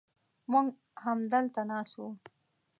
موږ همدلته ناست و.